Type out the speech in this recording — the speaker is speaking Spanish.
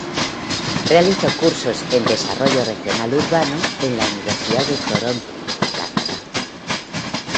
Realizó cursos en Desarrollo Regional Urbano en la Universidad de Toronto, Canadá.